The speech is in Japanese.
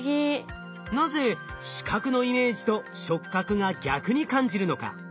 なぜ視覚のイメージと触覚が逆に感じるのか？